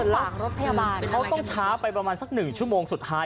หลังรถพยาบาลเขาต้องช้าไปประมาณสักหนึ่งชั่วโมงสุดท้าย